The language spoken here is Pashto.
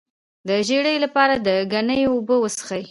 د ژیړي لپاره د ګنیو اوبه وڅښئ